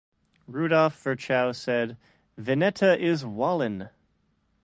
Rudolf Virchow said: Vineta is Wollin!